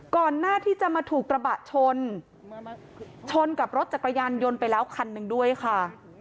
ก่อนหน้าที่จะมาถูกกระบะชนชนกับรถจักรยานยนต์ไปแล้วคันหนึ่งด้วยค่ะ